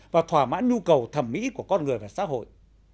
và thỏa mãn nhu cầu thẩm mỹ của con người và xã hội